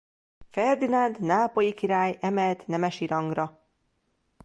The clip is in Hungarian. Ferdinánd nápolyi király emelt nemesi rangra.